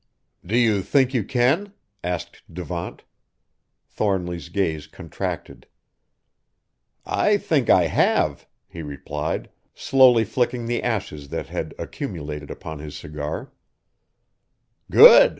'" "Do you think you can?" asked Devant. Thornly's gaze contracted. "I think I have," he replied, slowly flicking the ashes that had accumulated upon his cigar. "Good!